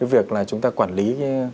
việc chúng ta quản lý